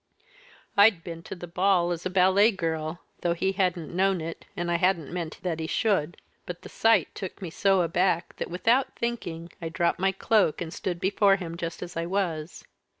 I'd been to the ball as a ballet girl though he hadn't known it, and I hadn't meant that he should, but the sight took me so aback that, without thinking, I dropped my cloak and stood before him just as I was.